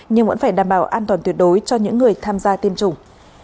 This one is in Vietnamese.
nhưng vẫn phải đảm bảo an toàn tuyệt đối cho những người tham gia tiêm chủng